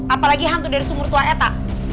apalagi hantu dari sumur tua eta